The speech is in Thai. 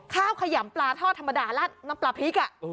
ขยำปลาทอดธรรมดาราดน้ำปลาพริก